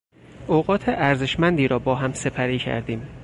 اوقات ارزشمندی را با هم سپری کردیم.